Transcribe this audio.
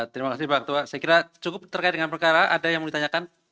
terima kasih pak ketua saya kira cukup terkait dengan perkara ada yang mau ditanyakan